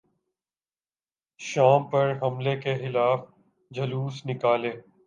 شام پر حملے کیخلاف جلوس نکالیں